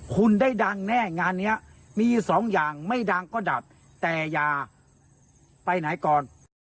คุณได้ดังแน่งานนี้มีสองอย่างไม่ดังก็ดับแต่อย่าไปไหนก่อน